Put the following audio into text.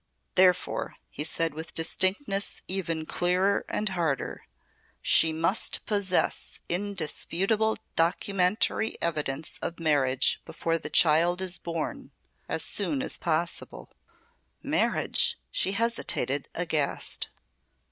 "Therefore," he said with distinctness even clearer and harder, "she must possess indisputable documentary evidence of marriage before the child is born as soon as possible." "Marriage!" she hesitated aghast.